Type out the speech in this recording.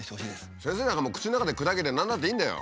先生なんかもう口の中で砕ければ何だっていいんだよ！